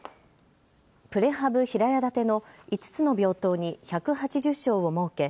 プレハブ平屋建ての５つの病棟に１８０床を設け